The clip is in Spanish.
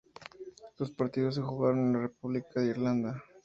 Los partidos se jugaron en la República de Irlanda.